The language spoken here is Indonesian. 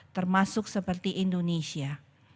termasuk seperti indonesia